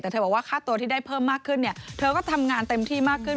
แต่เธอบอกว่าค่าตัวที่ได้เพิ่มมากขึ้นเนี่ยเธอก็ทำงานเต็มที่มากขึ้น